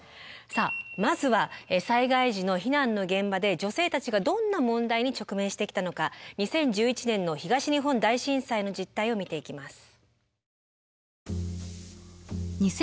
さあまずは災害時の避難の現場で女性たちがどんな問題に直面してきたのか２０１１年の東日本大震災の実態を見ていきます。